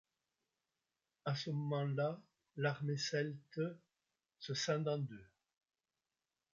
À ce moment-là, l'armée celte se scinde en deux.